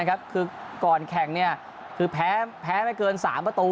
คือก่อนแข่งแพ้แม้เกินสามประตู